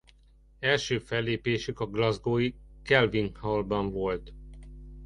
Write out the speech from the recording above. Az első fellépésük a glasgowi Kelvin Hallban volt.